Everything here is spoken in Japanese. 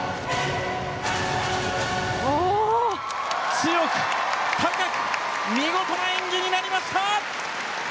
強く、高く見事な演技になりました！